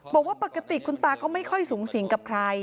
บอกว่าปกติคุณตาก็ไม่ค่อยสูงสิงกับใคร